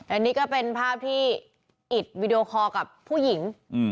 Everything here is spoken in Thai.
อันนี้ก็เป็นภาพที่อิดวีดีโอคอร์กับผู้หญิง